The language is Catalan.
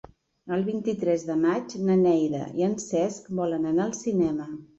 El vint-i-tres de maig na Neida i en Cesc volen anar al cinema.